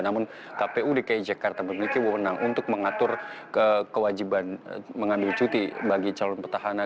namun kpud dki jakarta memiliki undang untuk mengatur kewajiban mengambil cuti petahana